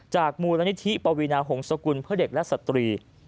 มูลนิธิปวีนาหงษกุลเพื่อเด็กและสตรี